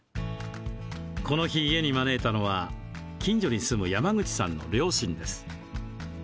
この日、家に招いたのは近所に住む山口さんの両親です。